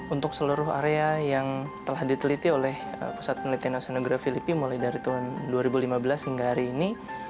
untuk seluruh area yang telah diteliti oleh pusat penelitian osonografi lipi mulai dari tahun dua ribu lima belas hingga hari ini